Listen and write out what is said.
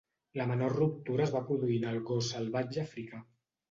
La menor ruptura es va produir en el gos salvatge africà.